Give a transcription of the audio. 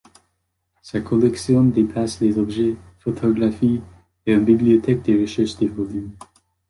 Sa collection dépasse les objets, photographies et une bibliothèque de recherche de volumes.